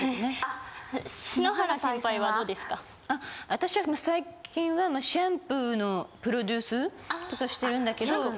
私は最近はまあシャンプーのプロデュース。とかしてるんだけど。